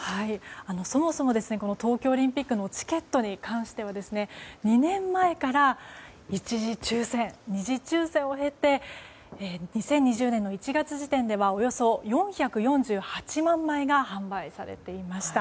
そもそも東京オリンピックのチケットに関しては２年前から１次抽選、２次抽選を経て２０２０年の１月時点ではおよそ４４８万枚が販売されていました。